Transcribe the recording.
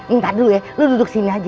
minta dulu ya lu duduk sini aja